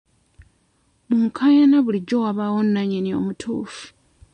Mu nkaayana bulijjo wabaawo nnannyini omutuufu.